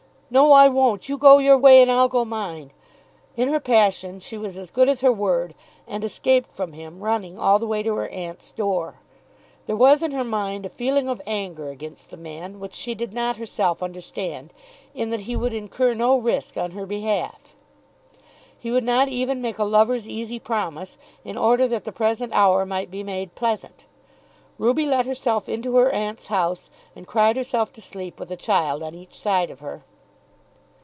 No, I won't. You go your way, and I'll go mine." In her passion she was as good as her word, and escaped from him, running all the way to her aunt's door. There was in her mind a feeling of anger against the man, which she did not herself understand, in that he would incur no risk on her behalf. He would not even make a lover's easy promise, in order that the present hour might be made pleasant. Ruby let herself into her aunt's house, and cried herself to sleep with a child on each side of her.